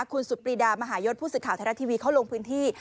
คุณสุดปรีดามหายศผู้สื่อข่าวไทยรัฐทีวีเขาลงพื้นที่